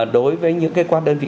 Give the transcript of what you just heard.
đối với những cơ quan đơn vị